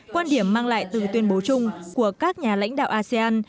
quan điểm mang lại từ tuyên bố chung của các nhà lãnh đạo asean